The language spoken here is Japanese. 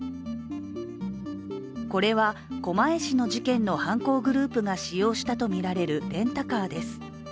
これは狛江市の事件の犯行グループが使用したとみられるレンタカーです。